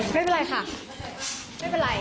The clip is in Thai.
ไม่เป็นไรค่ะไม่เป็นไร